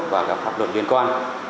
và các pháp luật liên quan